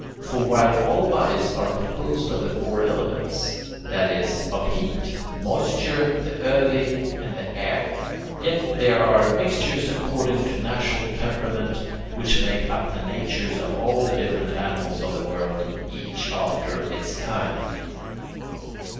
For while all bodies are composed of the four elements (in Greek [Greek: stoicheia]), that is, of heat, moisture, the earthy, and air, yet there are mixtures according to natural temperament which make up the natures of all the different animals of the world, each after its kind.